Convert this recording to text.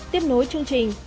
tiếp nối chương trình